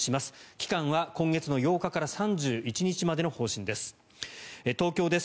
期間は今月８日から３１日までの方針です。